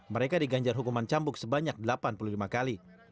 mereka diganjar hukuman cambuk sebanyak delapan puluh lima kali